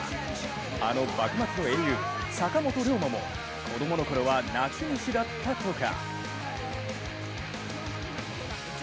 あの幕末の英雄・坂本龍馬も子供の頃は泣き虫だったとか。